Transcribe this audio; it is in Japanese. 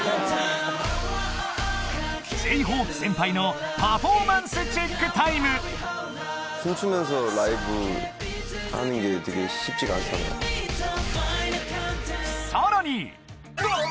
Ｊ−ＨＯＰＥ先輩のパフォーマンスチェックタイムさらに